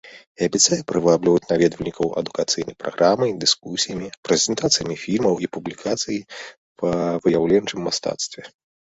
І абяцае прывабліваць наведвальнікаў адукацыйнай праграмай, дыскусіямі, прэзентацыямі фільмаў і публікацый па выяўленчым мастацтве.